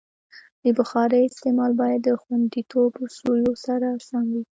د بخارۍ استعمال باید د خوندیتوب اصولو سره سم وي.